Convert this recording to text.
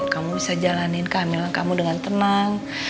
kamu bisa jalanin kehamilan kamu dengan tenang